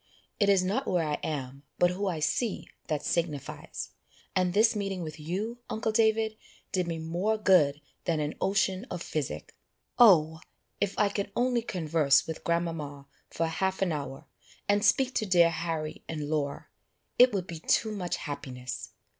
"It is not where I am, but who I see, that signifies; and this meeting with you, uncle David, did me more good than an ocean of physic. Oh! if I could only converse with grandmama for half an hour, and speak to dear Harry and Laura, it would be too much happiness.